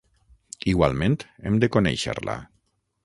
Igualment, hem de conèixer-la.